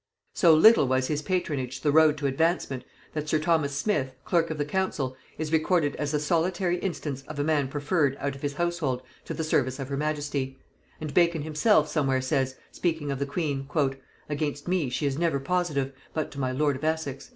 So little was his patronage the road to advancement, that sir Thomas Smith, clerk of the council, is recorded as the solitary instance of a man preferred out of his household to the service of her majesty; and Bacon himself somewhere says, speaking of the queen, "Against me she is never positive but to my lord of Essex."